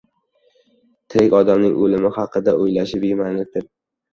Tirik odamning o‘lim haqida o‘ylashi bema’nilikdir.